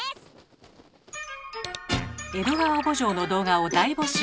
「江戸川慕情」の動画を大募集。